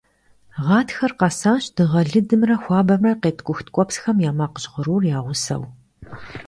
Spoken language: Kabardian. Гъатхэр къэсащ дыгъэ лыдымрэ хуабэмрэ, къеткӀух ткӀуэпсхэм я макъ жьгъырур я гъусэу.